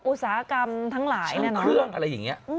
อุตสาหกรรมทั้งหลายเครื่องอะไรอย่างนี้